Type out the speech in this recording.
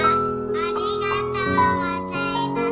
ありがとうございます。